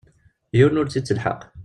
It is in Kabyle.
Yiwen ur tt-ittelḥaq.